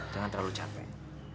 jangan terlalu capek